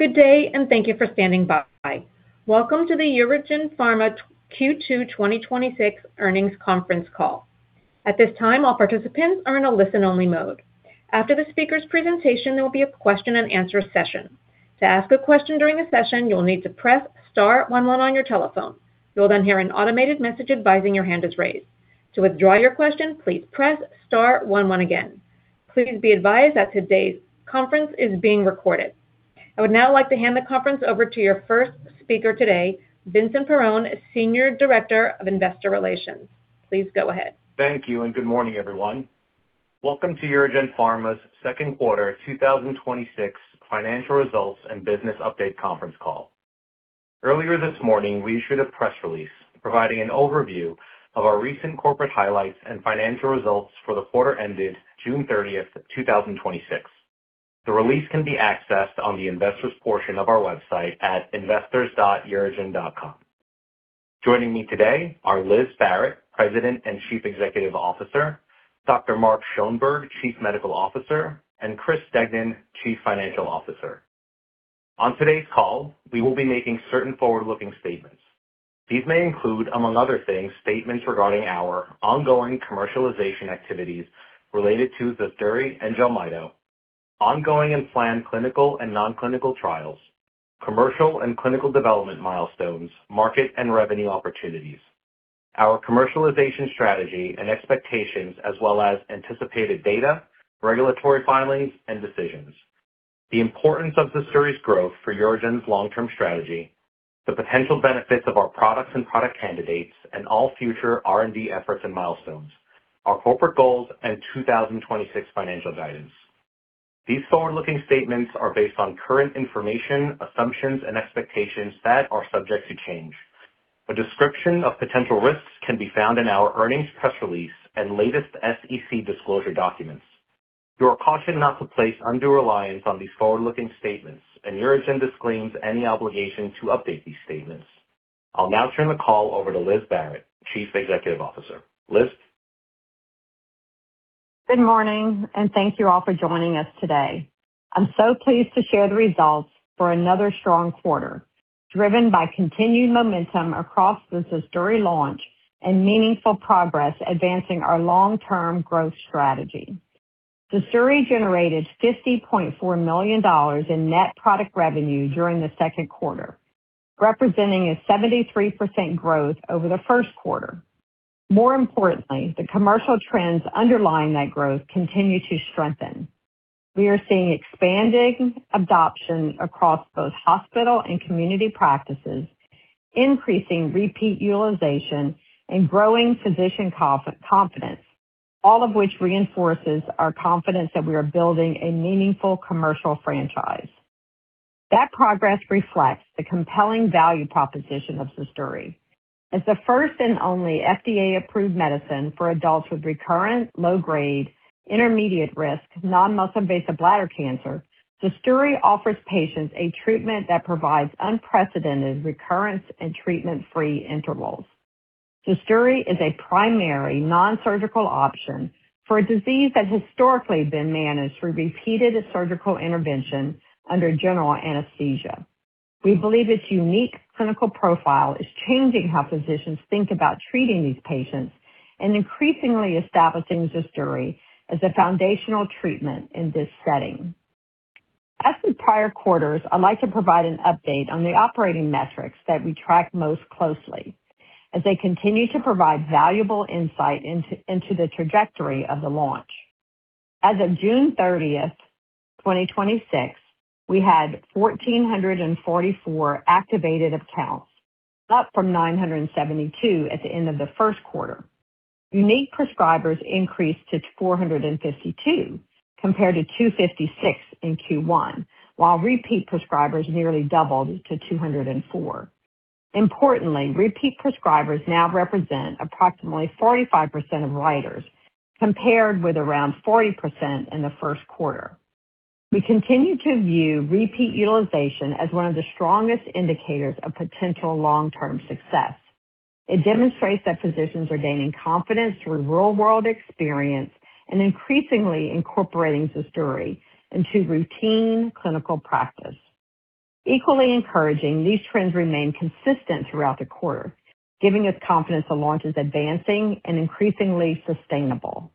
Good day, thank you for standing by. Welcome to the UroGen Pharma Q2 2026 earnings conference call. At this time, all participants are in a listen-only mode. After the speaker's presentation, there will be a question and answer session. To ask a question during the session, you will need to press star one one on your telephone. You'll hear an automated message advising your hand is raised. To withdraw your question, please press star one one again. Please be advised that today's conference is being recorded. I would now like to hand the conference over to your first speaker today, Vincent Perrone, Senior Director of Investor Relations. Please go ahead. Thank you, good morning, everyone. Welcome to UroGen Pharma's second quarter 2026 financial results and business update conference call. Earlier this morning, we issued a press release providing an overview of our recent corporate highlights and financial results for the quarter ended June 30th, 2026. The release can be accessed on the Investors' portion of our website at investors.urogen.com. Joining me today are Liz Barrett, President and Chief Executive Officer, Dr. Mark Schoenberg, Chief Medical Officer, and Chris Degnan, Chief Financial Officer. On today's call, we will be making certain forward-looking statements. These may include, among other things, statements regarding our ongoing commercialization activities related to ZUSDURI and JELMYTO, ongoing and planned clinical and non-clinical trials, commercial and clinical development milestones, market and revenue opportunities, our commercialization strategy and expectations, as well as anticipated data, regulatory filings and decisions, the importance of ZUSDURI's growth for UroGen's long-term strategy, the potential benefits of our products and product candidates and all future R&D efforts and milestones, our corporate goals, and 2026 financial guidance. These forward-looking statements are based on current information, assumptions, and expectations that are subject to change. A description of potential risks can be found in our earnings press release and latest SEC disclosure documents. You are cautioned not to place undue reliance on these forward-looking statements, UroGen disclaims any obligation to update these statements. I'll now turn the call over to Liz Barrett, Chief Executive Officer. Liz? Good morning, thank you all for joining us today. I'm so pleased to share the results for another strong quarter, driven by continued momentum across the ZUSDURI launch and meaningful progress advancing our long-term growth strategy. ZUSDURI generated $50.4 million in net product revenue during the second quarter, representing a 73% growth over the first quarter. More importantly, the commercial trends underlying that growth continue to strengthen. We are seeing expanding adoption across both hospital and community practices, increasing repeat utilization, and growing physician confidence, all of which reinforces our confidence that we are building a meaningful commercial franchise. That progress reflects the compelling value proposition of ZUSDURI. As the first and only FDA-approved medicine for adults with recurrent, low-grade, intermediate-risk non-muscle invasive bladder cancer, ZUSDURI offers patients a treatment that provides unprecedented recurrence and treatment-free intervals. ZUSDURI is a primary non-surgical option for a disease that historically had been managed through repeated surgical intervention under general anesthesia. We believe its unique clinical profile is changing how physicians think about treating these patients and increasingly establishing ZUSDURI as a foundational treatment in this setting. As with prior quarters, I'd like to provide an update on the operating metrics that we track most closely, as they continue to provide valuable insight into the trajectory of the launch. As of June 30th, 2026, we had 1,444 activated accounts, up from 972 at the end of the first quarter. Unique prescribers increased to 452 compared to 256 in Q1, while repeat prescribers nearly doubled to 204. Importantly, repeat prescribers now represent approximately 45% of writers, compared with around 40% in the first quarter. We continue to view repeat utilization as one of the strongest indicators of potential long-term success. It demonstrates that physicians are gaining confidence through real-world experience and increasingly incorporating ZUSDURI into routine clinical practice. Equally encouraging, these trends remained consistent throughout the quarter, giving us confidence the launch is advancing and increasingly sustainable.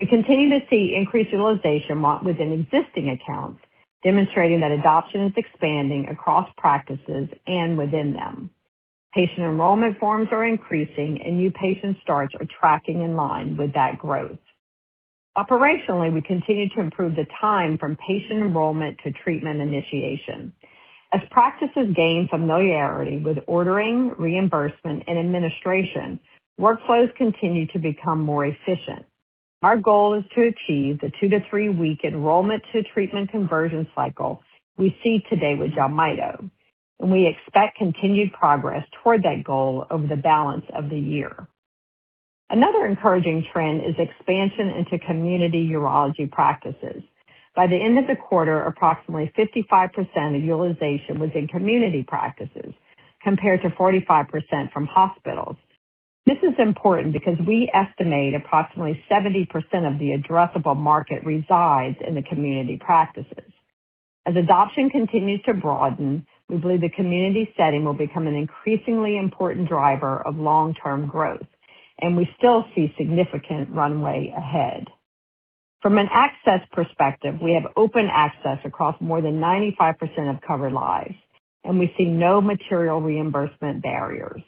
We continue to see increased utilization within existing accounts, demonstrating that adoption is expanding across practices and within them. Patient enrollment forms are increasing, and new patient starts are tracking in line with that growth. Operationally, we continue to improve the time from patient enrollment to treatment initiation. As practices gain familiarity with ordering, reimbursement, and administration, workflows continue to become more efficient. Our goal is to achieve the two-to-three-week enrollment-to-treatment conversion cycle we see today with JELMYTO, and we expect continued progress toward that goal over the balance of the year. Another encouraging trend is expansion into community urology practices. By the end of the quarter, approximately 55% of utilization was in community practices, compared to 45% from hospitals. This is important because we estimate approximately 70% of the addressable market resides in the community practices. As adoption continues to broaden, we believe the community setting will become an increasingly important driver of long-term growth, and we still see significant runway ahead. From an access perspective, we have open access across more than 95% of covered lives, and we see no material reimbursement barriers.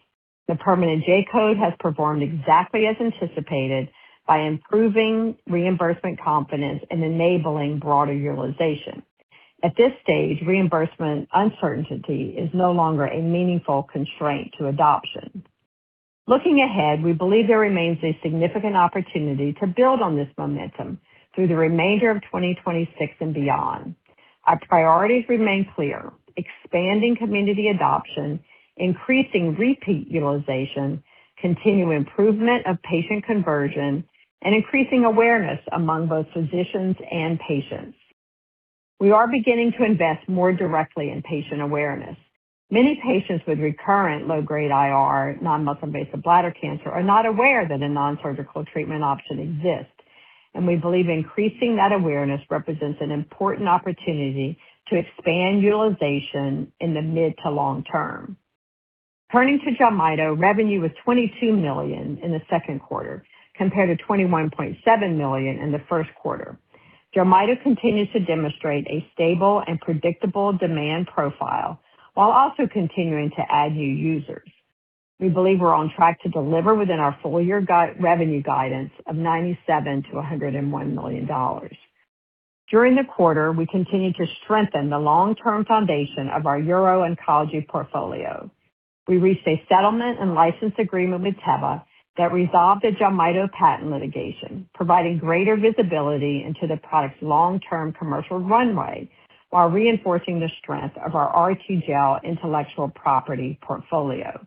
The permanent J-code has performed exactly as anticipated by improving reimbursement confidence and enabling broader utilization. At this stage, reimbursement uncertainty is no longer a meaningful constraint to adoption. Looking ahead, we believe there remains a significant opportunity to build on this momentum through the remainder of 2026 and beyond. Our priorities remain clear: expanding community adoption, increasing repeat utilization, continued improvement of patient conversion, and increasing awareness among both physicians and patients. We are beginning to invest more directly in patient awareness. Many patients with recurrent low-grade IR non-muscle invasive bladder cancer are not aware that a non-surgical treatment option exists, and we believe increasing that awareness represents an important opportunity to expand utilization in the mid to long term. Turning to JELMYTO, revenue was $22 million in the second quarter, compared to $21.7 million in the first quarter. JELMYTO continues to demonstrate a stable and predictable demand profile while also continuing to add new users. We believe we're on track to deliver within our full-year revenue guidance of $97 million-$101 million. During the quarter, we continued to strengthen the long-term foundation of our uro-oncology portfolio. We reached a settlement and license agreement with Teva that resolved the JELMYTO patent litigation, providing greater visibility into the product's long-term commercial runway while reinforcing the strength of our RTGel intellectual property portfolio.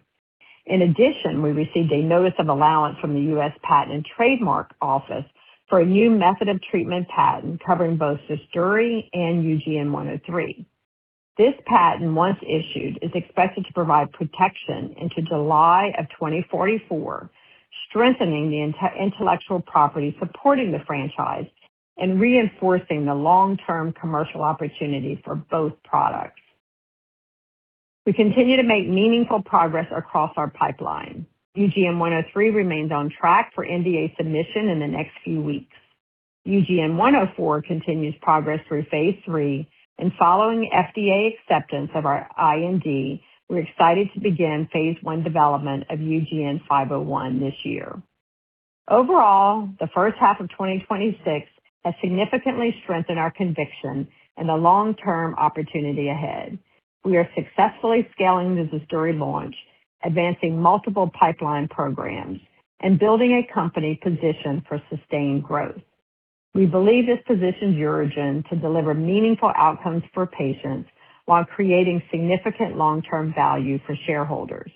In addition, we received a notice of allowance from the U.S. Patent and Trademark Office for a new method of treatment patent covering both ZUSDURI and UGN-103. This patent, once issued, is expected to provide protection into July of 2044, strengthening the intellectual property supporting the franchise and reinforcing the long-term commercial opportunity for both products. We continue to make meaningful progress across our pipeline. UGN-103 remains on track for NDA submission in the next few weeks. UGN-104 continues progress through phase III, and following FDA acceptance of our IND, we're excited to begin phase I development of UGN-501 this year. Overall, the first half of 2026 has significantly strengthened our conviction in the long-term opportunity ahead. We are successfully scaling the ZUSDURI launch, advancing multiple pipeline programs, and building a company positioned for sustained growth. We believe this positions UroGen to deliver meaningful outcomes for patients while creating significant long-term value for shareholders.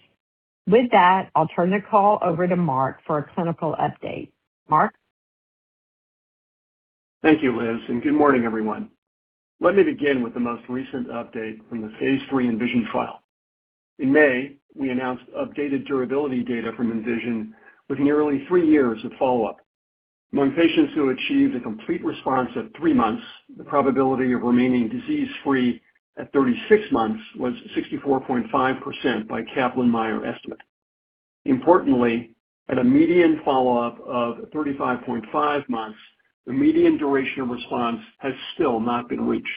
With that, I'll turn the call over to Mark for a clinical update. Mark? Thank you, Liz, and good morning, everyone. Let me begin with the most recent update from the phase III ENVISION trial. In May, we announced updated durability data from ENVISION with nearly three years of follow-up. Among patients who achieved a complete response at three months, the probability of remaining disease-free at 36 months was 64.5% by Kaplan-Meier estimate. Importantly, at a median follow-up of 35.5 months, the median duration of response has still not been reached.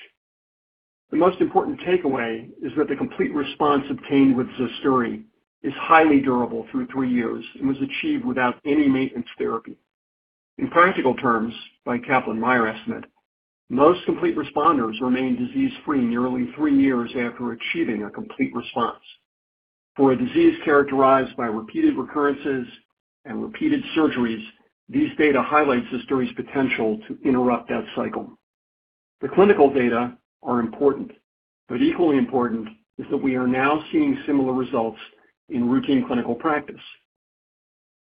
The most important takeaway is that the complete response obtained with ZUSDURI is highly durable through three years and was achieved without any maintenance therapy. In practical terms, by Kaplan-Meier estimate, most complete responders remain disease-free nearly three years after achieving a complete response. For a disease characterized by repeated recurrences and repeated surgeries, these data highlights ZUSDURI's potential to interrupt that cycle. The clinical data are important, but equally important is that we are now seeing similar results in routine clinical practice.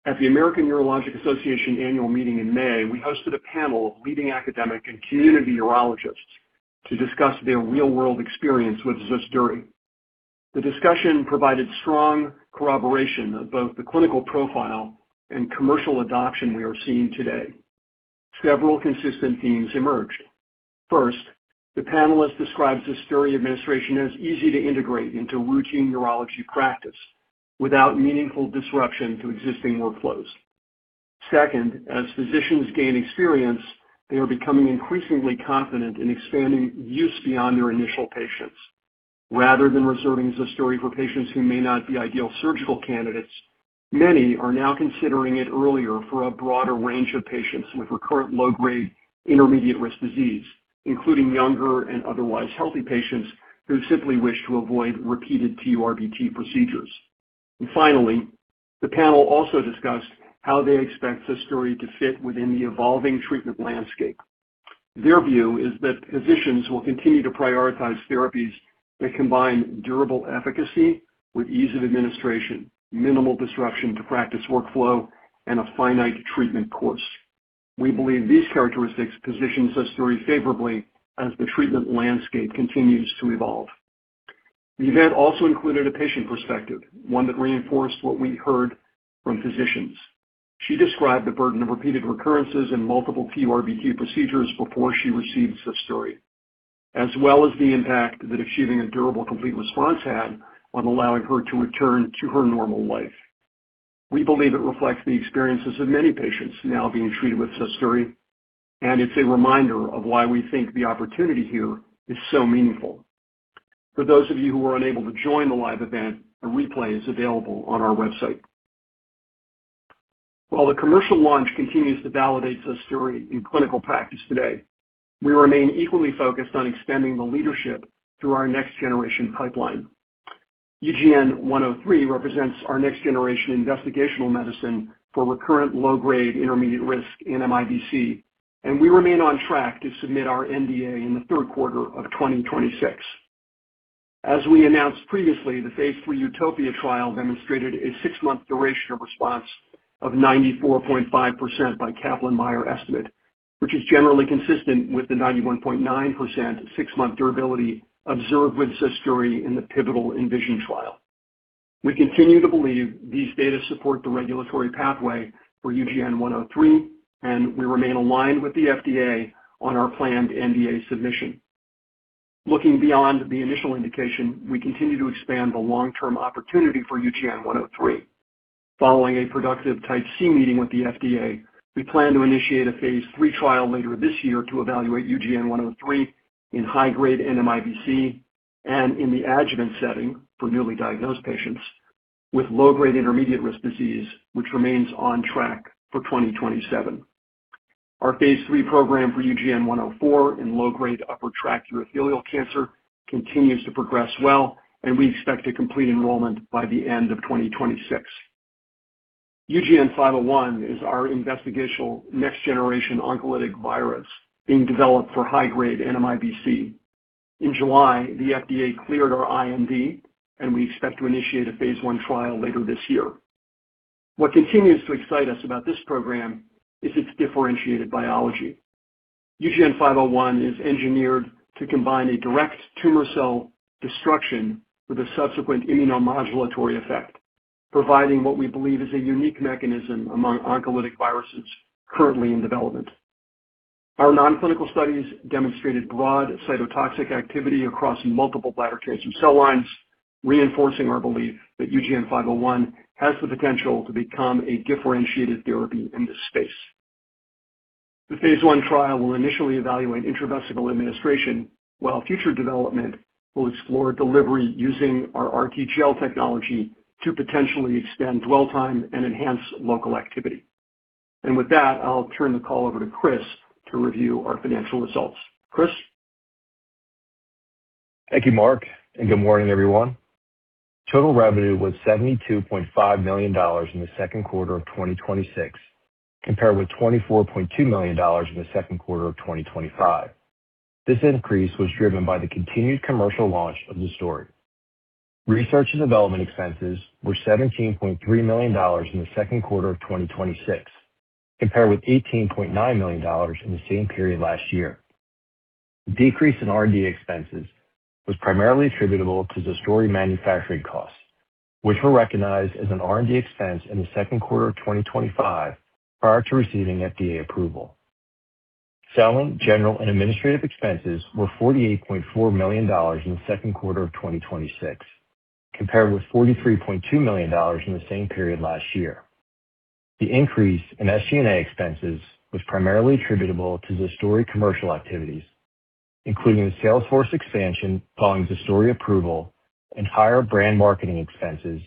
At the American Urological Association annual meeting in May, we hosted a panel of leading academic and community urologists to discuss their real-world experience with ZUSDURI. The discussion provided strong corroboration of both the clinical profile and commercial adoption we are seeing today. Several consistent themes emerged. First, the panelists described ZUSDURI administration as easy to integrate into routine urology practice without meaningful disruption to existing workflows. Second, as physicians gain experience, they are becoming increasingly confident in expanding use beyond their initial patients. Rather than reserving ZUSDURI for patients who may not be ideal surgical candidates, many are now considering it earlier for a broader range of patients with recurrent low-grade intermediate-risk disease, including younger and otherwise healthy patients who simply wish to avoid repeated TURBT procedures. Finally, the panel also discussed how they expect ZUSDURI to fit within the evolving treatment landscape. Their view is that physicians will continue to prioritize therapies that combine durable efficacy with ease of administration, minimal disruption to practice workflow, and a finite treatment course. We believe these characteristics positions ZUSDURI favorably as the treatment landscape continues to evolve. The event also included a patient perspective, one that reinforced what we heard from physicians. She described the burden of repeated recurrences and multiple TURBT procedures before she received ZUSDURI, as well as the impact that achieving a durable, complete response had on allowing her to return to her normal life. We believe it reflects the experiences of many patients now being treated with ZUSDURI, and it's a reminder of why we think the opportunity here is so meaningful. For those of you who were unable to join the live event, a replay is available on our website. While the commercial launch continues to validate ZUSDURI in clinical practice today, we remain equally focused on extending the leadership through our next-generation pipeline. UGN-103 represents our next-generation investigational medicine for recurrent low-grade intermediate-risk NMIBC, and we remain on track to submit our NDA in the third quarter of 2026. As we announced previously, the phase III UTOPIA trial demonstrated a six-month duration of response of 94.5% by Kaplan-Meier estimate, which is generally consistent with the 91.9% six-month durability observed with ZUSDURI in the pivotal ENVISION trial. We continue to believe these data support the regulatory pathway for UGN-103, and we remain aligned with the FDA on our planned NDA submission. Looking beyond the initial indication, we continue to expand the long-term opportunity for UGN-103. Following a productive Type C meeting with the FDA, we plan to initiate a phase III trial later this year to evaluate UGN-103 in high-grade NMIBC and in the adjuvant setting for newly diagnosed patients with low-grade intermediate-risk disease, which remains on track for 2027. Our phase III program for UGN-104 in low-grade upper tract urothelial cancer continues to progress well, and we expect to complete enrollment by the end of 2026. UGN-501 is our investigational next-generation oncolytic virus being developed for high-grade NMIBC. In July, the FDA cleared our IND, and we expect to initiate a phase I trial later this year. What continues to excite us about this program is its differentiated biology. UGN-501 is engineered to combine a direct tumor cell destruction with a subsequent immunomodulatory effect, providing what we believe is a unique mechanism among oncolytic viruses currently in development. Our non-clinical studies demonstrated broad cytotoxic activity across multiple bladder cancer cell lines, reinforcing our belief that UGN-501 has the potential to become a differentiated therapy in this space. The phase I trial will initially evaluate intravesical administration, while future development will explore delivery using our RTGel technology to potentially extend dwell time and enhance local activity. With that, I'll turn the call over to Chris to review our financial results. Chris? Thank you, Mark, and good morning, everyone. Total revenue was $72.5 million in the second quarter of 2026, compared with $24.2 million in the second quarter of 2025. This increase was driven by the continued commercial launch of ZUSDURI. Research and development expenses were $17.3 million in the second quarter of 2026, compared with $18.9 million in the same period last year. The decrease in R&D expenses was primarily attributable to ZUSDURI manufacturing costs, which were recognized as an R&D expense in the second quarter of 2025 prior to receiving FDA approval. Selling, general, and administrative expenses were $48.4 million in the second quarter of 2026, compared with $43.2 million in the same period last year. The increase in SG&A expenses was primarily attributable to ZUSDURI commercial activities, including the salesforce expansion following ZUSDURI approval and higher brand marketing expenses,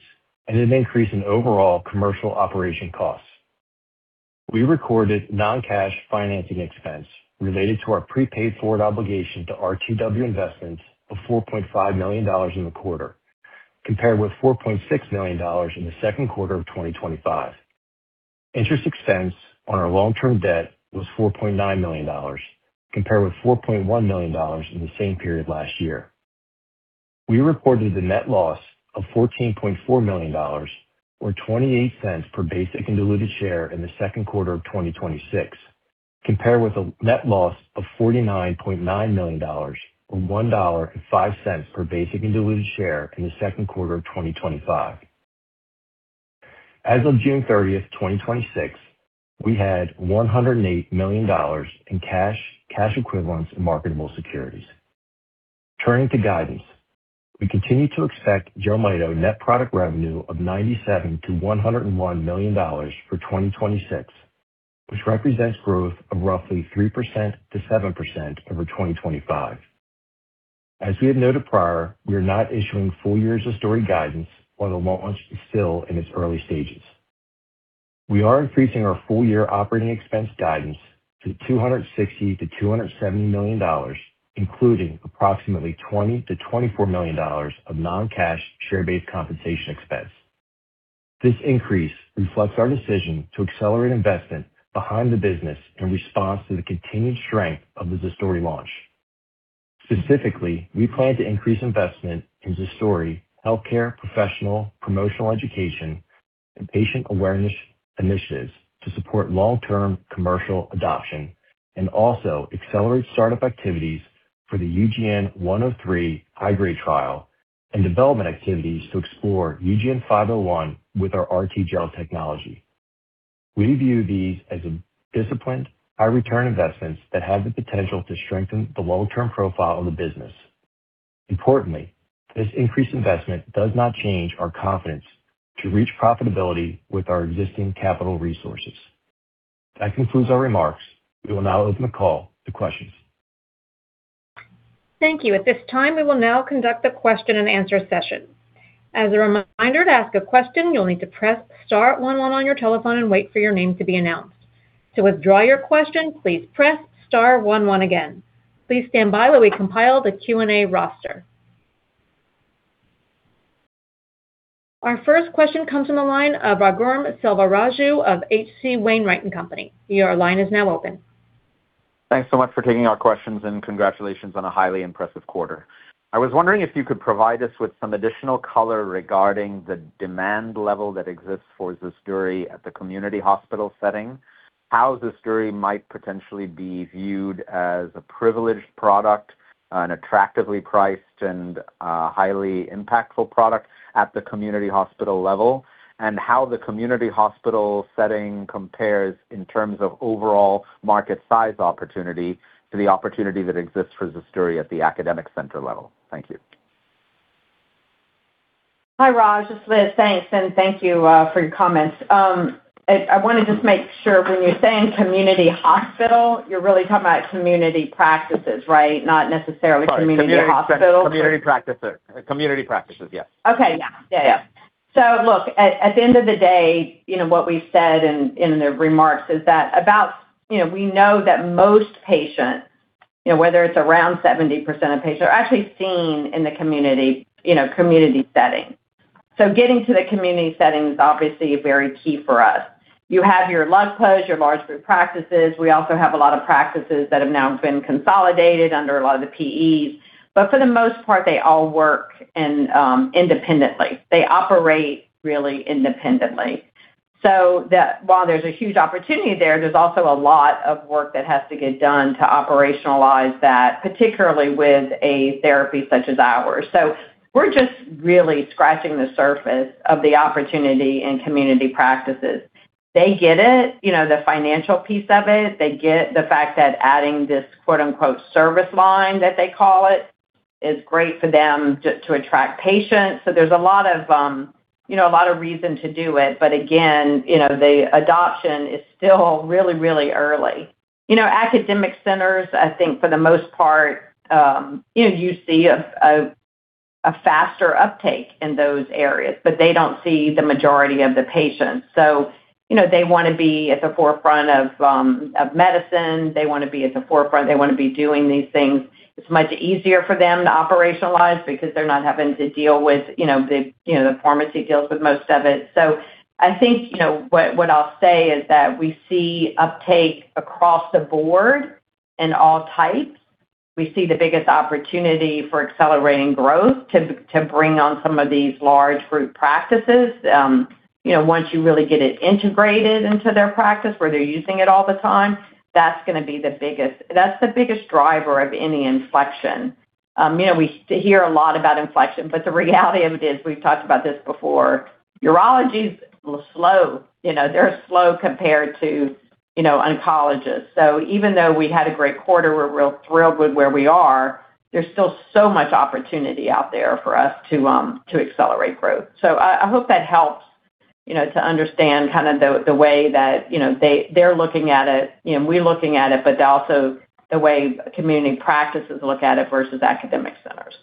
and an increase in overall commercial operation costs. We recorded non-cash financing expense related to our prepaid forward obligation to RTW Investments of $4.5 million in the quarter, compared with $4.6 million in the second quarter of 2025. Interest expense on our long-term debt was $4.9 million, compared with $4.1 million in the same period last year. We reported a net loss of $14.4 million or $0.28 per basic and diluted share in the second quarter of 2026, compared with a net loss of $49.9 million or $1.05 per basic and diluted share in the second quarter of 2025. As of June 30th, 2026, we had $108 million in cash equivalents, and marketable securities. Turning to guidance, we continue to expect JELMYTO net product revenue of $97 million to $101 million for 2026, which represents growth of roughly 3%-7% over 2025. As we have noted prior, we are not issuing full-year ZUSDURI guidance while the launch is still in its early stages. We are increasing our full-year operating expense guidance to $260 million to $270 million, including approximately $20 million to $24 million of non-cash share-based compensation expense. This increase reflects our decision to accelerate investment behind the business in response to the continued strength of the ZUSDURI launch. Specifically, we plan to increase investment in ZUSDURI healthcare professional promotional education and patient awareness initiatives to support long-term commercial adoption, and also accelerate startup activities for the UGN-103 high-grade trial and development activities to explore UGN-501 with our RTGel technology. We view these as disciplined, high-return investments that have the potential to strengthen the long-term profile of the business. Importantly, this increased investment does not change our confidence to reach profitability with our existing capital resources. That concludes our remarks. We will now open the call to questions. Thank you. At this time, we will now conduct the question and answer session. As a reminder, to ask a question, you'll need to press star one one on your telephone and wait for your name to be announced. To withdraw your question, please press star one one again. Please stand by while we compile the Q&A roster. Our first question comes from the line of Raghuram Selvaraju of H.C. Wainwright & Co.. Your line is now open. Thanks so much for taking our questions, and congratulations on a highly impressive quarter. I was wondering if you could provide us with some additional color regarding the demand level that exists for ZUSDURI at the community hospital setting, how ZUSDURI might potentially be viewed as a privileged product, an attractively priced, and a highly impactful product at the community hospital level, and how the community hospital setting compares in terms of overall market size opportunity to the opportunity that exists for ZUSDURI at the academic center level. Thank you. Hi, Ram. This is Liz. Thanks, and thank you for your comments. I want to just make sure, when you're saying community hospital, you're really talking about community practices, right? Not necessarily community hospitals. Sorry. Community practices, yes. Look, at the end of the day, what we've said in the remarks is that we know that most patients, whether it's around 70% of patients, are actually seen in the community setting. Getting to the community setting is obviously very key for us. You have your LUGPA, your large group practices. We also have a lot of practices that have now been consolidated under a lot of the PEs. For the most part, they all work independently. They operate really independently. While there's a huge opportunity there's also a lot of work that has to get done to operationalize that, particularly with a therapy such as ours. We're just really scratching the surface of the opportunity in community practices. They get it, the financial piece of it. They get the fact that adding this "service line" that they call it, is great for them to attract patients. There's a lot of reason to do it. Again, the adoption is still really early. Academic centers, I think for the most part, you see a faster uptake in those areas, but they don't see the majority of the patients. They want to be at the forefront of medicine. They want to be at the forefront. They want to be doing these things. It's much easier for them to operationalize because they're not having to deal with the pharmacy deals with most of it. I think what I'll say is that we see uptake across the board in all types. We see the biggest opportunity for accelerating growth to bring on some of these large group practices. Once you really get it integrated into their practice where they're using it all the time, that's the biggest driver of any inflection. We hear a lot about inflection, but the reality of it is, we've talked about this before, urology's slow. They're slow compared to oncologists. Even though we had a great quarter, we're real thrilled with where we are, there's still so much opportunity out there for us to accelerate growth. I hope that helps to understand the way that they're looking at it, we're looking at it, but also the way community practices look at it versus academic centers.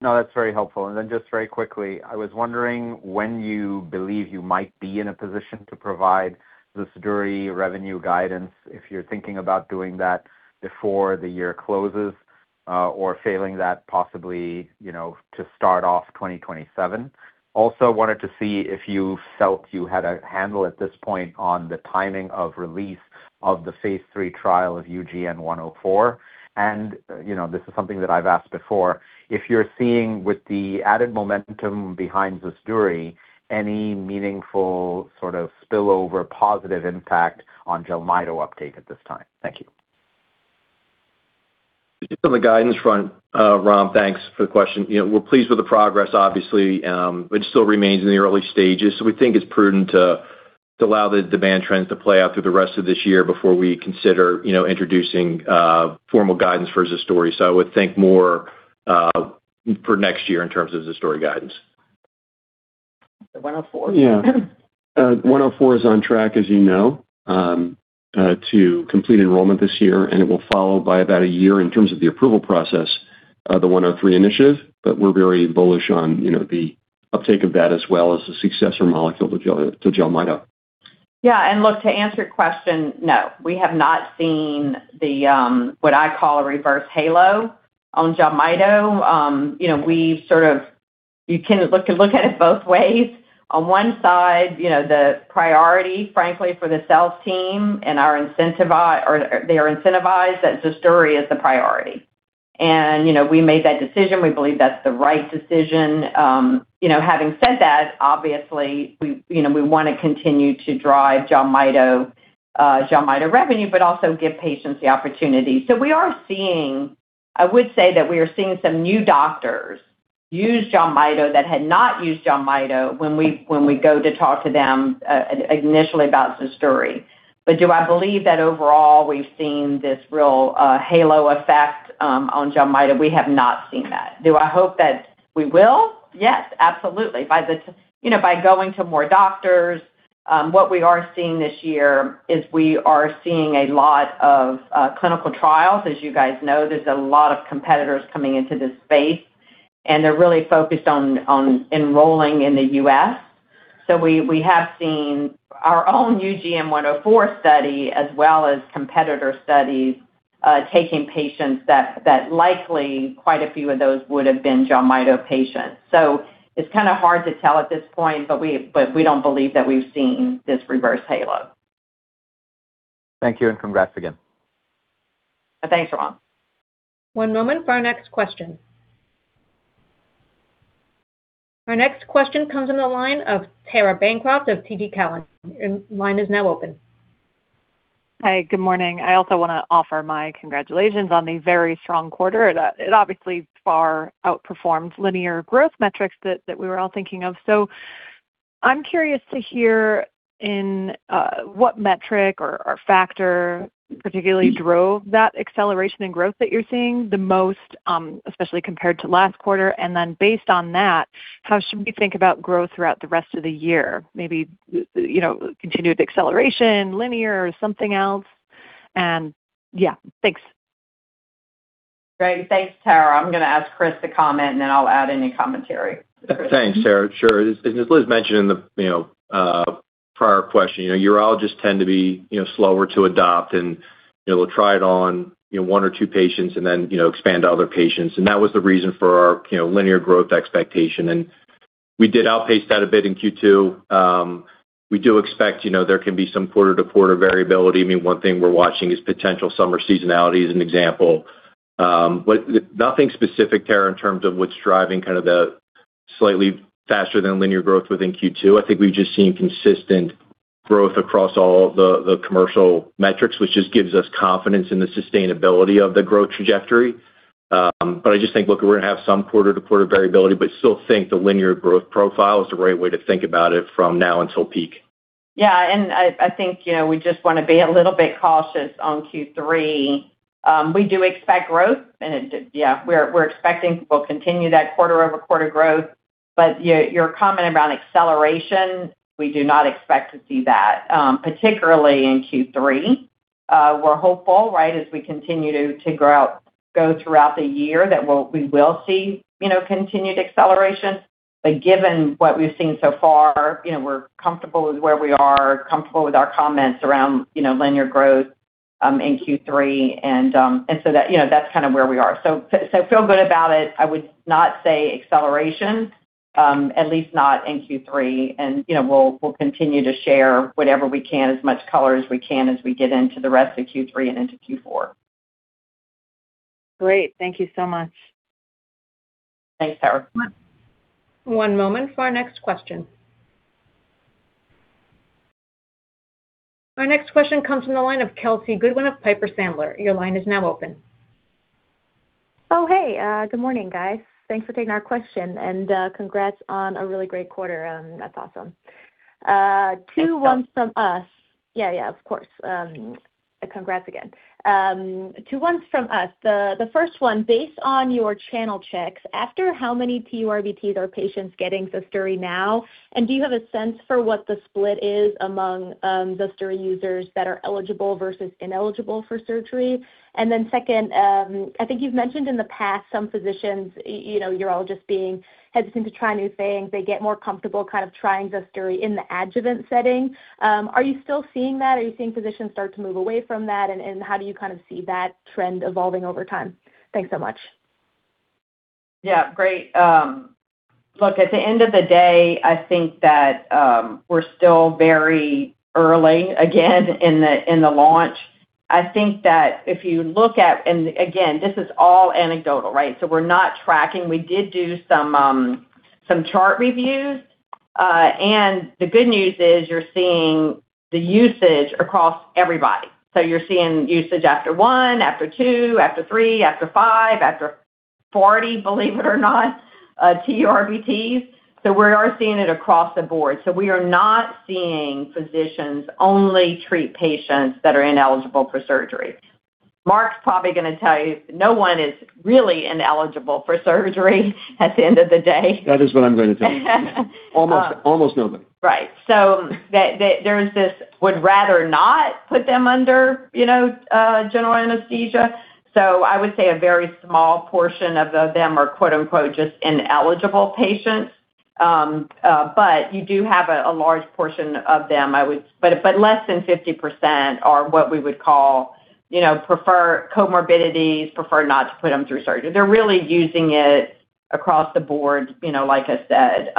No, that's very helpful. Then just very quickly, I was wondering when you believe you might be in a position to provide ZUSDURI revenue guidance, if you're thinking about doing that before the year closes, or failing that, possibly to start off 2027. Wanted to see if you felt you had a handle at this point on the timing of release of the phase III trial of UGN-104. This is something that I've asked before, if you're seeing with the added momentum behind ZUSDURI, any meaningful sort of spillover positive impact on JELMYTO uptake at this time. Thank you. Just on the guidance front, Ram, thanks for the question. We're pleased with the progress, obviously, which still remains in the early stages. We think it's prudent to allow the demand trends to play out through the rest of this year before we consider introducing formal guidance for ZUSDURI. I would think more for next year in terms of ZUSDURI guidance. The UGN-104? UGN-104 is on track, as you know, to complete enrollment this year, and it will follow by about a year in terms of the approval process of the UGN-103 initiative. We're very bullish on the uptake of that as well as the successor molecule to JELMYTO. Look, to answer your question, no, we have not seen what I call a reverse halo on JELMYTO. You can look at it both ways. On one side, the priority, frankly, for the sales team, they are incentivized that ZUSDURI is the priority. We made that decision. We believe that's the right decision. Having said that, obviously we want to continue to drive JELMYTO revenue, but also give patients the opportunity. I would say that we are seeing some new doctors use JELMYTO that had not used JELMYTO when we go to talk to them initially about ZUSDURI. Do I believe that overall we've seen this real halo effect on JELMYTO? We have not seen that. Do I hope that we will? Yes, absolutely, by going to more doctors. What we are seeing this year is we are seeing a lot of clinical trials. As you guys know, there's a lot of competitors coming into this space. They're really focused on enrolling in the U.S. We have seen our own UGN-104 study as well as competitor studies, taking patients that likely quite a few of those would have been JELMYTO patients. It's kind of hard to tell at this point, but we don't believe that we've seen this reverse halo. Thank you, congrats again. Thanks, Ram. One moment for our next question. Our next question comes on the line of Tara Bancroft of TD Cowen. Your line is now open. Hi, good morning. I also want to offer my congratulations on the very strong quarter. It obviously far outperformed linear growth metrics that we were all thinking of. I am curious to hear in what metric or factor particularly drove that acceleration in growth that you are seeing the most, especially compared to last quarter. Based on that, how should we think about growth throughout the rest of the year? Maybe continued acceleration, linear, or something else? Thanks. Great. Thanks, Tara. I am going to ask Chris to comment and then I will add any commentary. Thanks, Tara. Sure. As Liz mentioned in the prior question, urologists tend to be slower to adopt, and they will try it on one or two patients and then expand to other patients. That was the reason for our linear growth expectation. We did outpace that a bit in Q2. We do expect there can be some quarter-to-quarter variability. One thing we are watching is potential summer seasonality as an example. Nothing specific, Tara, in terms of what is driving kind of the slightly faster than linear growth within Q2. I think we have just seen consistent growth across all the commercial metrics, which just gives us confidence in the sustainability of the growth trajectory. I just think, look, we are going to have some quarter-to-quarter variability, but still think the linear growth profile is the right way to think about it from now until peak. I think we just want to be a little bit cautious on Q3. We do expect growth, we are expecting we will continue that quarter-over-quarter growth. Your comment around acceleration, we do not expect to see that, particularly in Q3. We are hopeful as we continue to go throughout the year that we will see continued acceleration. Given what we have seen so far, we are comfortable with where we are, comfortable with our comments around linear growth in Q3, that is kind of where we are. Feel good about it. I would not say acceleration, at least not in Q3. We will continue to share whatever we can, as much color as we can, as we get into the rest of Q3 and into Q4. Great. Thank you so much. Thanks, Tara. One moment for our next question. Our next question comes from the line of Kelsey Goodwin of Piper Sandler. Your line is now open. Oh, hey. Good morning, guys. Thanks for taking our question and congrats on a really great quarter. That's awesome. Two questions from us. Yeah. Of course. Congrats again. Two questions from us. The first one, based on your channel checks, after how many TURBTs are patients getting ZUSDURI now? Do you have a sense for what the split is among ZUSDURI users that are eligible versus ineligible for surgery? Second, I think you've mentioned in the past some physicians, urologists being hesitant to try new things. They get more comfortable kind of trying ZUSDURI in the adjuvant setting. Are you still seeing that? Are you seeing physicians start to move away from that, and how do you kind of see that trend evolving over time? Thanks so much. Yeah. Great. Look, at the end of the day, I think that we're still very early, again, in the launch. I think that if you look at, and again, this is all anecdotal, right? We're not tracking. We did do some chart reviews. The good news is you're seeing the usage across everybody. You're seeing usage after one, after two, after three, after five, after 40, believe it or not, TURBTs. We are seeing it across the board. We are not seeing physicians only treat patients that are ineligible for surgery. Mark's probably going to tell you no one is really ineligible for surgery at the end of the day. That is what I'm going to tell you. Almost nobody. Right. There's this would rather not put them under general anesthesia. I would say a very small portion of them are quote unquote, "just ineligible patients." You do have a large portion of them, but less than 50% are what we would call prefer comorbidities, prefer not to put them through surgery. They're really using it across the board, like I said.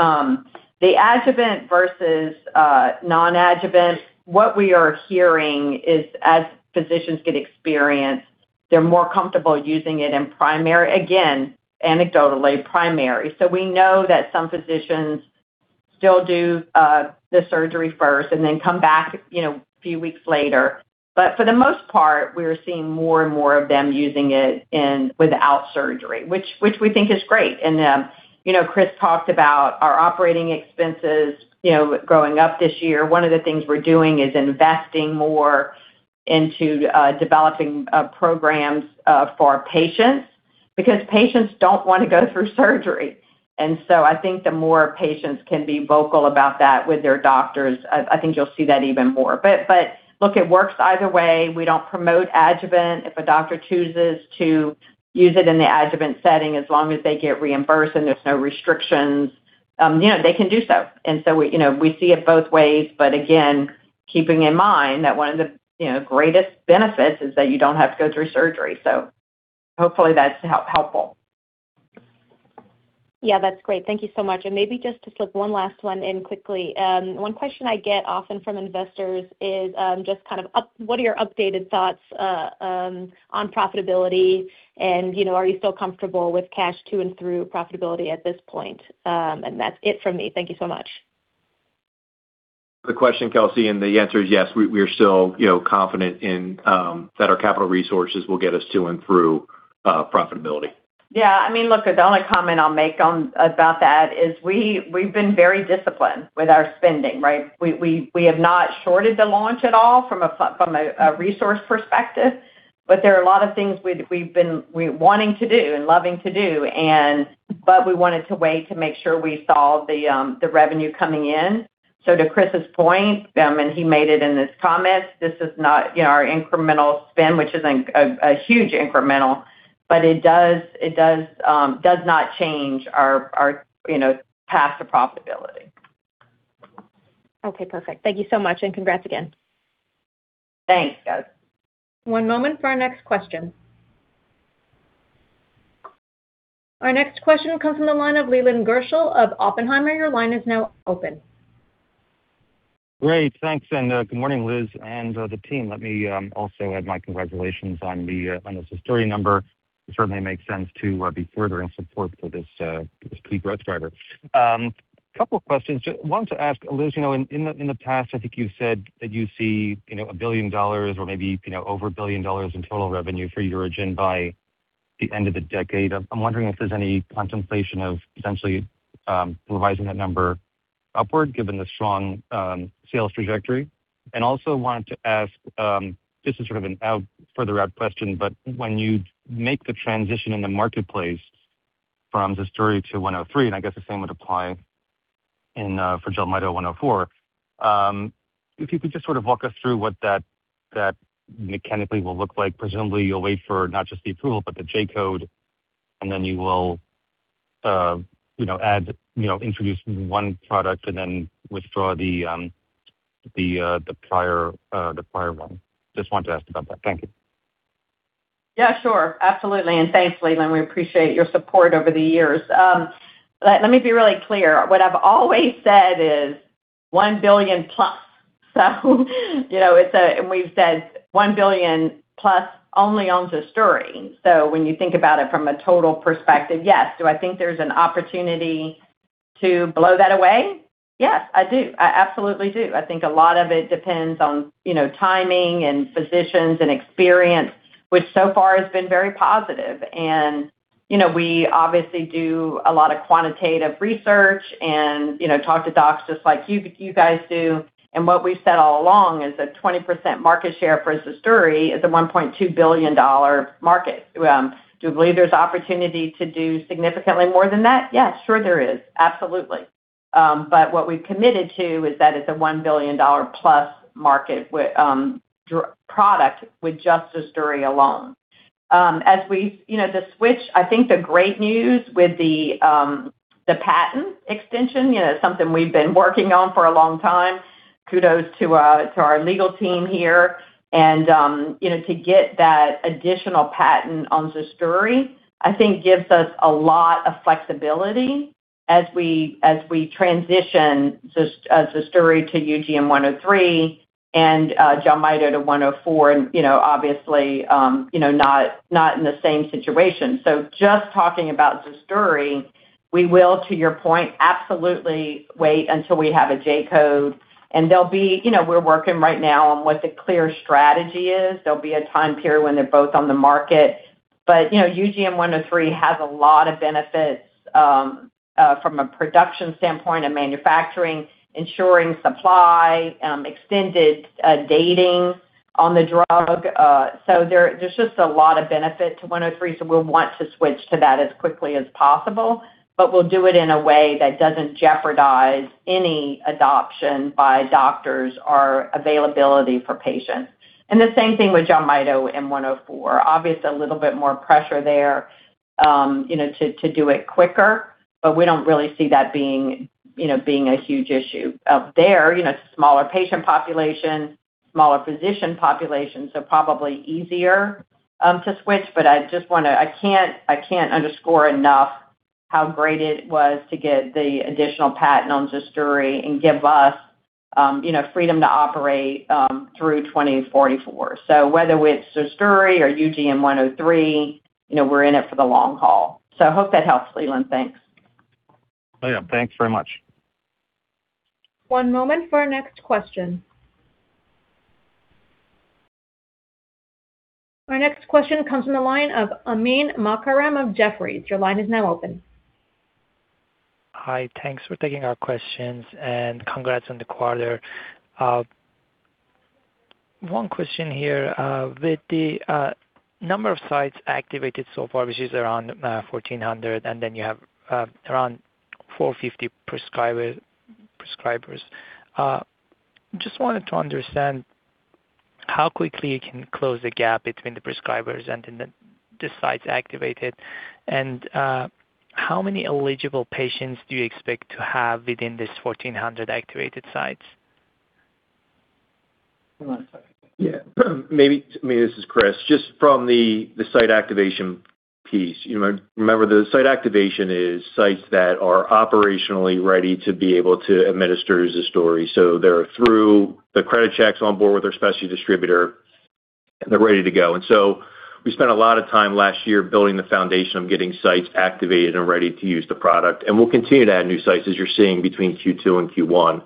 The adjuvant versus non-adjuvant, what we are hearing is as physicians get experience, they're more comfortable using it in primary, again, anecdotally primary. We know that some physicians still do the surgery first and then come back a few weeks later. For the most part, we're seeing more and more of them using it without surgery, which we think is great. Chris talked about our operating expenses growing up this year. One of the things we're doing is investing more into developing programs for our patients, because patients don't want to go through surgery. I think the more patients can be vocal about that with their doctors, I think you'll see that even more. Look, it works either way. We don't promote adjuvant. If a doctor chooses to use it in the adjuvant setting, as long as they get reimbursed and there's no restrictions, they can do so. We see it both ways, but again, keeping in mind that one of the greatest benefits is that you don't have to go through surgery. Hopefully that's helpful. Yeah, that's great. Thank you so much. Maybe just to slip one last one in quickly. One question I get often from investors is, what are your updated thoughts on profitability, and are you still comfortable with cash to and through profitability at this point? That's it from me. Thank you so much. Good question, Kelsey. The answer is yes. We are still confident that our capital resources will get us to and through profitability. Yeah. Look, the only comment I'll make about that is we've been very disciplined with our spending, right? We have not shorted the launch at all from a resource perspective, but there are a lot of things we've been wanting to do and loving to do, but we wanted to wait to make sure we saw the revenue coming in. To Chris' point, and he made it in his comments, this is not our incremental spend, which isn't a huge incremental, but it does not change our path to profitability. Okay, perfect. Thank you so much. Congrats again. Thanks, Kelsey. One moment for our next question. Our next question will come from the line of Leland Gershell of Oppenheimer. Your line is now open. Great. Thanks, and good morning, Liz and the team. Let me also add my congratulations on the ZUSDURI number. It certainly makes sense to be furthering support for this key growth driver. Couple questions. Wanted to ask, Liz, in the past, I think you've said that you see $1 billion or maybe over $1 billion in total revenue for UroGen by the end of the decade. I'm wondering if there's any contemplation of potentially revising that number upward, given the strong sales trajectory. Also wanted to ask, this is sort of a further out question, but when you make the transition in the marketplace from ZUSDURI to UGN-103, and I guess the same would apply for JELMYTO to UGN-104, if you could just sort of walk us through what that mechanically will look like. Presumably, you'll wait for not just the approval, but the J-code. Then you will introduce one product and then withdraw the prior one. Just wanted to ask about that. Thank you. Yeah, sure. Absolutely. Thanks, Leland, we appreciate your support over the years. Let me be really clear. What I've always said is $1 billion+. We've said $1 billion+ only on ZUSDURI. When you think about it from a total perspective, yes. Do I think there's an opportunity to blow that away? Yes, I do. I absolutely do. I think a lot of it depends on timing and physicians and experience, which so far has been very positive. We obviously do a lot of quantitative research and talk to docs just like you guys do. What we've said all along is that 20% market share for ZUSDURI is a $1.2 billion market. Do we believe there's opportunity to do significantly more than that? Yes, sure there is. Absolutely. What we've committed to is that it's a $1 billion+ market product with just ZUSDURI alone. The switch, I think the great news with the patent extension, something we've been working on for a long time. Kudos to our legal team here. To get that additional patent on ZUSDURI, I think gives us a lot of flexibility as we transition ZUSDURI to UGN-103 and JELMYTO to UGN-104, obviously, not in the same situation. Just talking about ZUSDURI, we will, to your point, absolutely wait until we have a J-code. We're working right now on what the clear strategy is. There'll be a time period when they're both on the market. UGN-103 has a lot of benefits from a production standpoint of manufacturing, ensuring supply, extended dating on the drug. There's just a lot of benefit to UGN-103, so we'll want to switch to that as quickly as possible, but we'll do it in a way that doesn't jeopardize any adoption by doctors or availability for patients. The same thing with JELMYTO and UGN-104. Obviously, a little bit more pressure there to do it quicker, but we don't really see that being a huge issue up there. It's a smaller patient population. Smaller physician populations are probably easier to switch, but I can't underscore enough how great it was to get the additional patent on ZUSDURI and give us freedom to operate through 2044. Whether it's ZUSDURI or UGN-103, we're in it for the long haul. I hope that helps, Leland. Thanks. Oh, yeah. Thanks very much. One moment for our next question. Our next question comes from the line of Amin Makarem of Jefferies. Your line is now open. Hi. Thanks for taking our questions, congrats on the quarter. One question here. With the number of sites activated so far, which is around 1,400, then you have around 450 prescribers. Just wanted to understand how quickly you can close the gap between the prescribers and the sites activated, and how many eligible patients do you expect to have within these 1,400 activated sites? One second. This is Chris. Just from the site activation piece, remember the site activation is sites that are operationally ready to be able to administer ZUSDURI. They're through the credit checks on board with their specialty distributor, they're ready to go. We spent a lot of time last year building the foundation of getting sites activated and ready to use the product, we'll continue to add new sites as you're seeing between Q2 and Q1.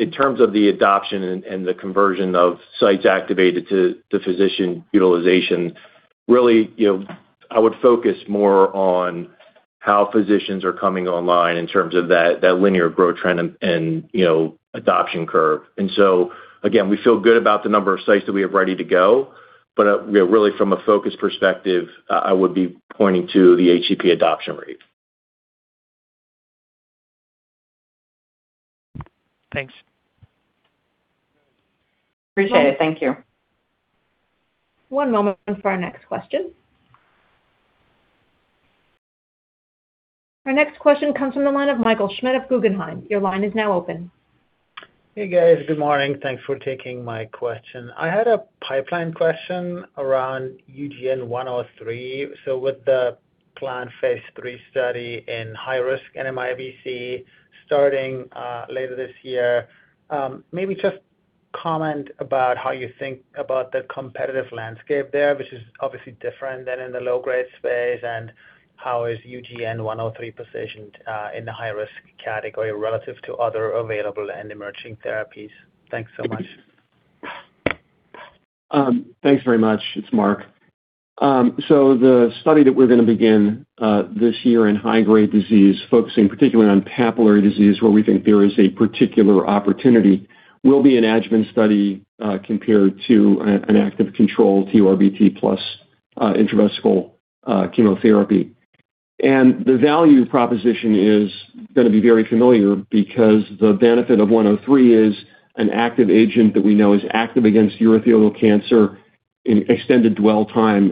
In terms of the adoption and the conversion of sites activated to physician utilization, really, I would focus more on how physicians are coming online in terms of that linear growth trend and adoption curve. Again, we feel good about the number of sites that we have ready to go. Really from a focus perspective, I would be pointing to the HCP adoption rate. Thanks. Appreciate it. Thank you. One moment for our next question. Our next question comes from the line of Michael Schmidt of Guggenheim. Your line is now open. Hey, guys. Good morning. Thanks for taking my question. I had a pipeline question around UGN-103. With the planned phase III study in high-risk NMIBC starting later this year, maybe just comment about how you think about the competitive landscape there, which is obviously different than in the low-grade space, and how is UGN-103 positioned in the high-risk category relative to other available and emerging therapies? Thanks so much. Thanks very much. It's Mark. The study that we're going to begin this year in high-grade disease, focusing particularly on papillary disease, where we think there is a particular opportunity, will be an adjuvant study, compared to an active control TURBT plus intravesical chemotherapy. The value proposition is going to be very familiar because the benefit of UGN-103 is an active agent that we know is active against urothelial cancer in extended dwell time.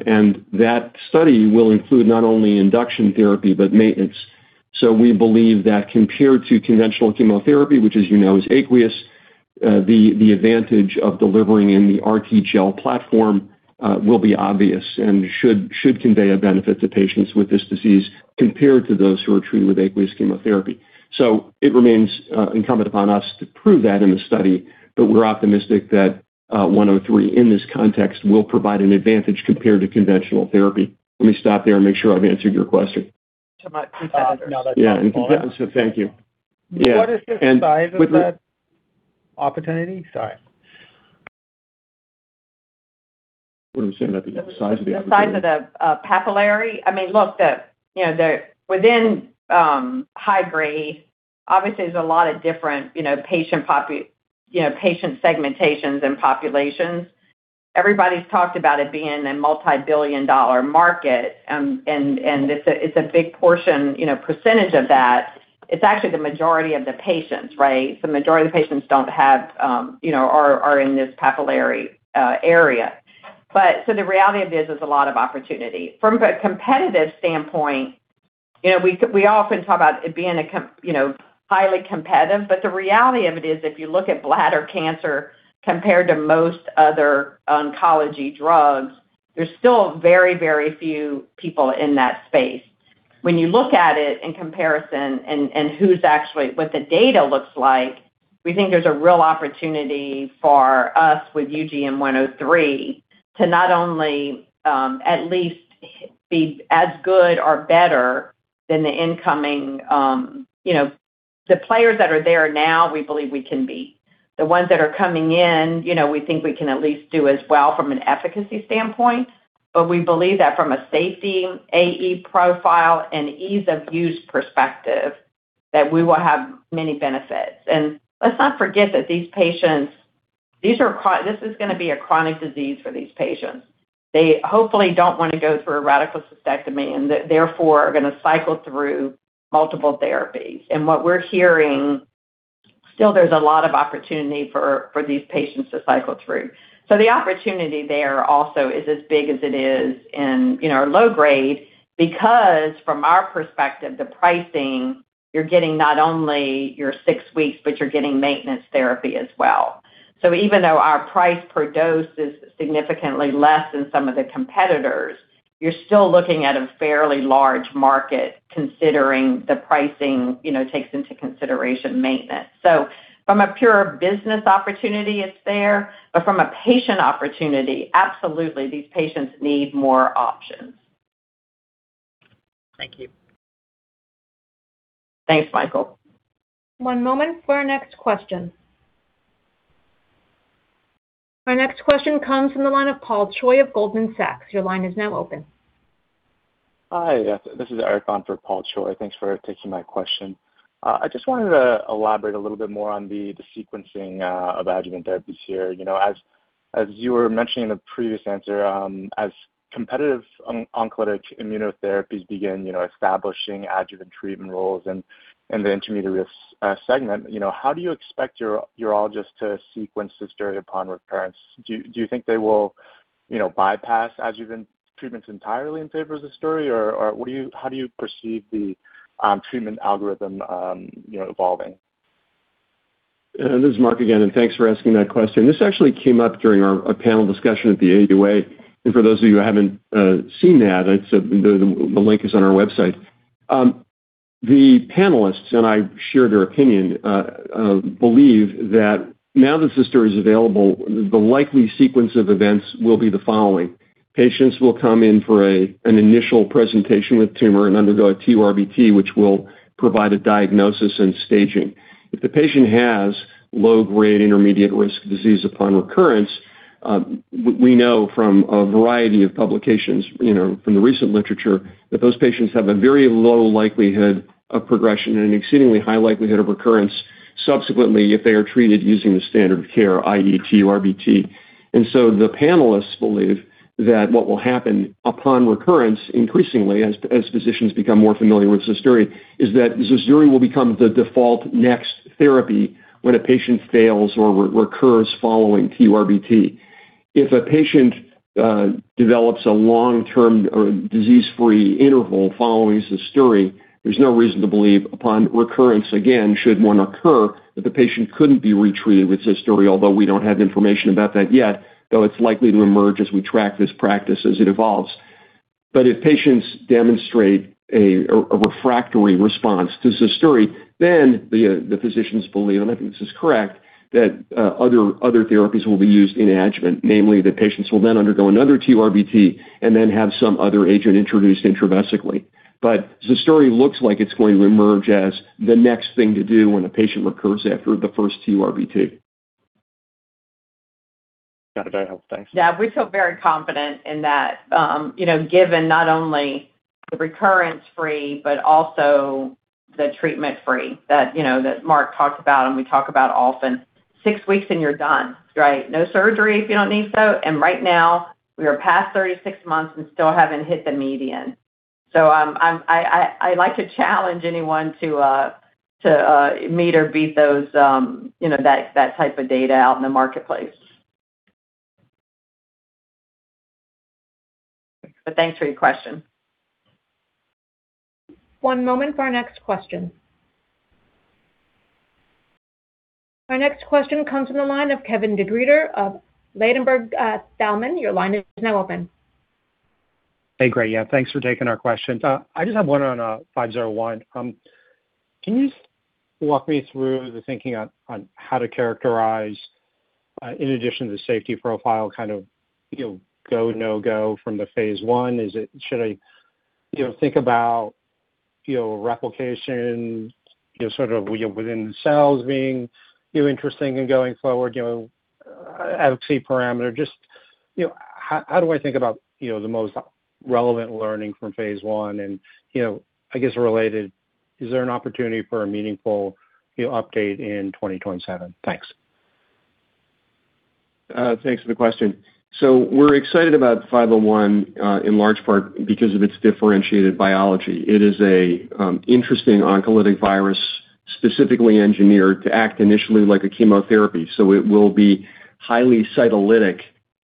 That study will include not only induction therapy, but maintenance. We believe that compared to conventional chemotherapy, which as you know is aqueous, the advantage of delivering in the RTGel platform will be obvious and should convey a benefit to patients with this disease compared to those who are treated with aqueous chemotherapy. It remains incumbent upon us to prove that in the study, but we're optimistic that 103 in this context will provide an advantage compared to conventional therapy. Let me stop there and make sure I've answered your question. Yeah. Yeah. Thank you. Yeah. What is the size of that opportunity? Sorry. What I'm saying about the size of the opportunity? The size of the papillary. Look, within high-grade, obviously, there's a lot of different patient segmentations and populations. Everybody's talked about it being a multi-billion dollar market. It's a big portion, percentage of that. It's actually the majority of the patients, right? The majority of the patients are in this papillary area. The reality of it is there's a lot of opportunity. From a competitive standpoint, we often talk about it being highly competitive. The reality of it is if you look at bladder cancer compared to most other oncology drugs, there's still very few people in that space. When you look at it in comparison and what the data looks like, we think there's a real opportunity for us with UGN-103 to not only at least be as good or better than the players that are there now, we believe we can beat. The ones that are coming in, we think we can at least do as well from an efficacy standpoint. We believe that from a safety AE profile and ease-of-use perspective, that we will have many benefits. Let's not forget that this is going to be a chronic disease for these patients. They hopefully don't want to go through a radical cystectomy and therefore are going to cycle through multiple therapies. What we're hearing, still there's a lot of opportunity for these patients to cycle through. The opportunity there also is as big as it is in our low grade, because from our perspective, the pricing, you're getting not only your six weeks, but you're getting maintenance therapy as well. Even though our price per dose is significantly less than some of the competitors, you're still looking at a fairly large market considering the pricing takes into consideration maintenance. From a pure business opportunity, it's there. From a patient opportunity, absolutely, these patients need more options. Thank you. Thanks, Michael. One moment for our next question. Our next question comes from the line of Paul Choi of Goldman Sachs. Your line is now open. Hi. This is Eric on for Paul Choi. Thanks for taking my question. I just wanted to elaborate a little bit more on the de-sequencing of adjuvant therapies here. As you were mentioning in the previous answer, as competitive oncolytic immunotherapies begin establishing adjuvant treatment roles in the intermediate-risk segment, how do you expect your urologist to sequence ZUSDURI upon recurrence? Do you think they will bypass adjuvant treatments entirely in favor of ZUSDURI, or how do you perceive the treatment algorithm evolving? This is Mark again. Thanks for asking that question. This actually came up during our panel discussion at the AUA. For those of you who haven't seen that, the link is on our website. The panelists, and I share their opinion, believe that now that ZUSDURI is available, the likely sequence of events will be the following. Patients will come in for an initial presentation with tumor and undergo a TURBT, which will provide a diagnosis and staging. If the patient has low-grade intermediate-risk disease upon recurrence, we know from a variety of publications from the recent literature that those patients have a very low likelihood of progression and an exceedingly high likelihood of recurrence subsequently if they are treated using the standard of care, i.e., TURBT. The panelists believe that what will happen upon recurrence, increasingly as physicians become more familiar with ZUSDURI, is that ZUSDURI will become the default next therapy when a patient fails or recurs following TURBT. If a patient develops a long-term disease-free interval following ZUSDURI, there's no reason to believe upon recurrence again, should one occur, that the patient couldn't be retreated with ZUSDURI, although we don't have information about that yet, though it's likely to emerge as we track this practice as it evolves. If patients demonstrate a refractory response to ZUSDURI, the physicians believe, and I think this is correct, that other therapies will be used in adjuvant, namely that patients will then undergo another TURBT and then have some other agent introduced intravesically. ZUSDURI looks like it's going to emerge as the next thing to do when a patient recurs after the first TURBT. Got it. That helps. Thanks. Yeah, we feel very confident in that given not only the recurrence free, but also the treatment free that Mark talked about and we talk about often. six weeks and you're done, right? No surgery if you don't need so, and right now we are past 36 months and still haven't hit the median. I like to challenge anyone to meet or beat that type of data out in the marketplace. Thanks for your question. One moment for our next question. Our next question comes from the line of Kevin DeGeeter of Ladenburg Thalmann. Your line is now open. Hey, great. Yeah, thanks for taking our questions. I just have one on UGN-501. Can you walk me through the thinking on how to characterize, in addition to the safety profile, go, no go from the phase I? Should I think about replication within the cells being interesting in going forward, efficacy parameter? Just how do I think about the most relevant learning from phase I and, I guess related, is there an opportunity for a meaningful update in 2027? Thanks. Thanks for the question. We're excited about UGN-501 in large part because of its differentiated biology. It is a interesting oncolytic virus, specifically engineered to act initially like a chemotherapy. It will be highly cytolytic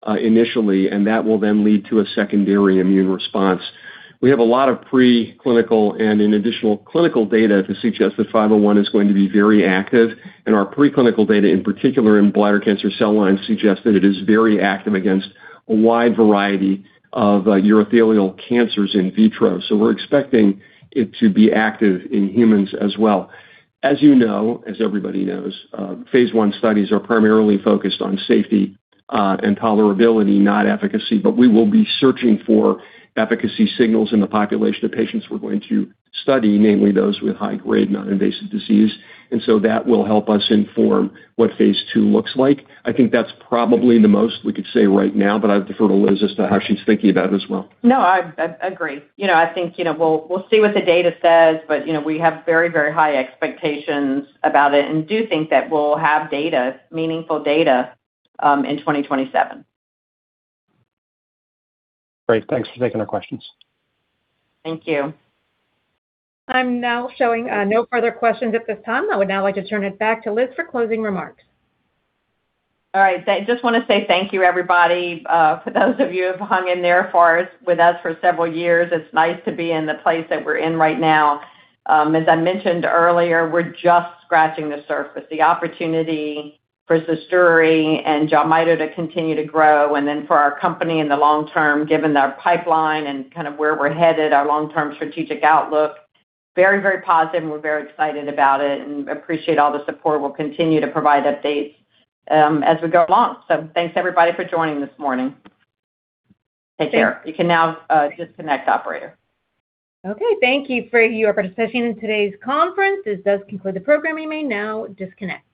initially, and that will then lead to a secondary immune response. We have a lot of preclinical and in additional clinical data to suggest that UGN-501 is going to be very active, and our preclinical data, in particular in bladder cancer cell lines, suggest that it is very active against a wide variety of urothelial cancers in vitro. We're expecting it to be active in humans as well. As you know, as everybody knows, phase I studies are primarily focused on safety and tolerability, not efficacy. We will be searching for efficacy signals in the population of patients we're going to study, namely those with high-grade non-invasive disease. That will help us inform what phase II looks like. I think that's probably the most we could say right now, I'd defer to Liz as to how she's thinking about it as well. No, I agree. I think we'll see what the data says, we have very high expectations about it and do think that we'll have data, meaningful data, in 2027. Great. Thanks for taking our questions. Thank you. I'm now showing no further questions at this time. I would now like to turn it back to Liz for closing remarks. All right. I just want to say thank you, everybody. For those of you who've hung in there with us for several years, it's nice to be in the place that we're in right now. As I mentioned earlier, we're just scratching the surface. The opportunity for ZUSDURI and JELMYTO to continue to grow, and then for our company in the long term, given our pipeline and where we're headed, our long-term strategic outlook, very positive, and we're very excited about it and appreciate all the support. We'll continue to provide updates as we go along. Thanks everybody for joining this morning. Take care. You can now disconnect, operator. Okay, thank you for your participation in today's conference. This does conclude the program. You may now disconnect.